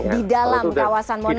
di dalam kawasan monas